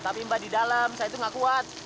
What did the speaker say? tapi mbak di dalam saya itu nggak kuat